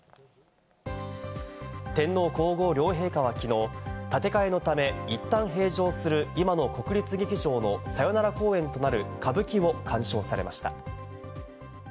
天皇皇后両陛下は昨日、建て替えのため、いったん閉場する今の国立劇場のさよなら公演となる歌舞伎を鑑賞されました。